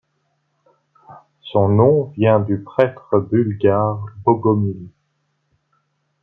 Son nom vient du prêtre bulgare Bogomil.